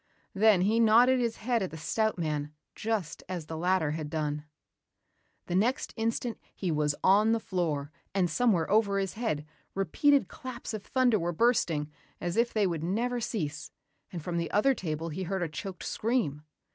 Then he nodded his head at the stout man just as the latter had done. The next instant he was on the floor and somewhere over his head, repeated claps of thunder were bursting as if they would never cease and from the other table he heard a choked scream.